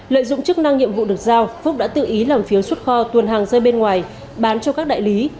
lợi dụng chức năng nhiệm vụ được giao phúc đã tự ý làm phiếu xuất kho tuần hàng rơi bên ngoài bán cho các đại lý